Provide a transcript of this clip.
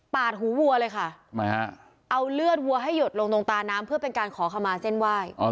หูวัวเลยค่ะทำไมฮะเอาเลือดวัวให้หยดลงตรงตาน้ำเพื่อเป็นการขอขมาเส้นไหว้